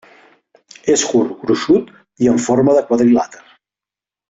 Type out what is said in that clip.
És curt, gruixut i en forma de quadrilàter.